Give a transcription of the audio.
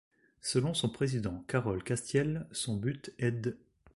Selon son président Carol Castiel, son but est d'.